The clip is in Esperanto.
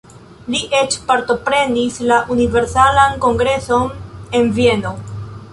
Li eĉ partoprenis la Universalan Kongreson en Vieno.